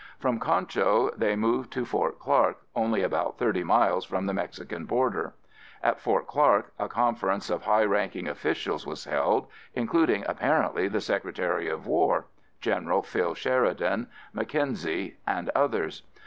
From Concho they moved to Fort Clark, only about thirty miles from the Mexican border. At Fort Clark a conference of high ranking officials was held, including apparently the Secretary of War, General Phil Sheridan, Mackenzie and others.